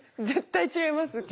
絶対違います。